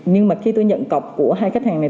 nhưng mà khi tôi nhận cọc của hai khách hàng này